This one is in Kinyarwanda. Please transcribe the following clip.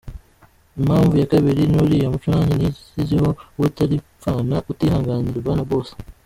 Impamvu ya kabiri ni uriya muco nanjye niyiziho w’ubutaripfana, utihanganirwa na bose.